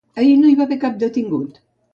Ahir no hi va haver cap detingut.